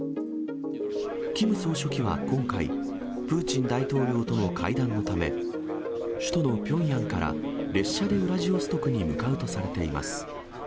キム総書記は今回、プーチン大統領との会談のため、首都のピョンヤンから列車でウラジオストクに向かうとされています。